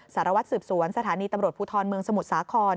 สารวัตรสืบสวนสถานีตำรวจภูทรเมืองสมุทรสาคร